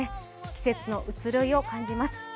季節の移ろいを感じます。